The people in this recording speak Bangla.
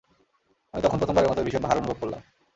আমি তখন প্রথম বারের মতই ভীষণ ভার অনুভব করলাম।